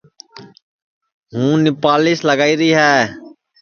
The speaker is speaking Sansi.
ہوں نُپالیس لگائیری ہے